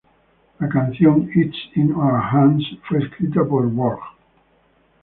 La canción "It's In Our Hands" fue escrita por Björk.